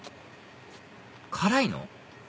辛いの？